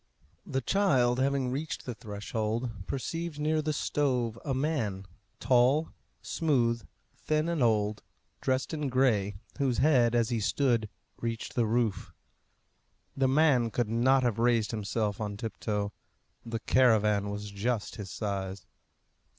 The child having reached the threshold, perceived near the stove a man, tall, smooth, thin and old, dressed in gray, whose head, as he stood, reached the roof. The man could not have raised himself on tiptoe. The caravan was just his size.